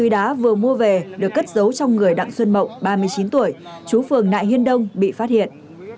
đồ mua về được cất dấu trong người đặng xuân mộng ba mươi chín tuổi chú phường nại hiên đông bị phát hiện